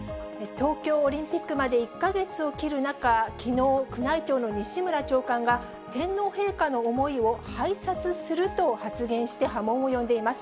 東京オリンピックまで１か月を切る中、きのう、宮内庁の西村長官が、天皇陛下の思いを拝察すると発言して波紋を呼んでいます。